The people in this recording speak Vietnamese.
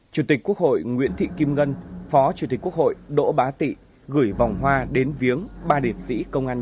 chủ tịch quốc hội nguyễn thị kim ngân phó chủ tịch quốc hội đỗ bá tị gửi vòng hoa đến viếng ba đệ sĩ